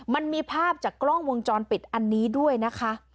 มันมีภาพจากกล้องวงจรปิดอันนี้ด้วยนะคะ